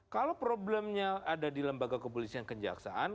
kalau problemnya ada di lembaga kepolisian kejaksaan